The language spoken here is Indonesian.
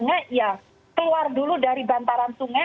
karena ya keluar dulu dari bantaran sungai